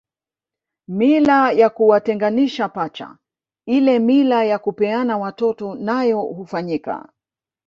Mila ya kuwatenganisha pacha ile mila ya kupeana watoto nayo hufanyika